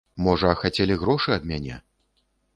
Можа, хацелі грошы ад мяне.